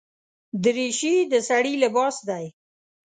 دریشي د سړي لباس دی.